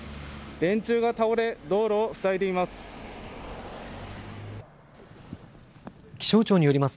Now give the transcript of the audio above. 電柱が倒れ、道路を塞いでいます。